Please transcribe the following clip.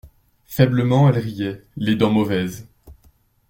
Faiblement elle riait, les dents mauvaises.